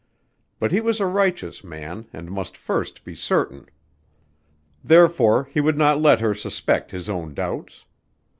But he was a righteous man and must first be certain. Therefore, he would not let her suspect his own doubts.